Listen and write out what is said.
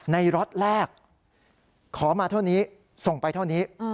ล็อตแรกขอมาเท่านี้ส่งไปเท่านี้